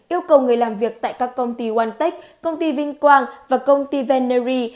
yêu cầu người làm việc tại các công ty onetech công ty vinh quang và công ty veneri